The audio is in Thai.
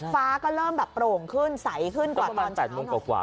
ฟ้าก็เริ่มแบบโปร่งขึ้นใสขึ้นกว่าตอน๘โมงกว่า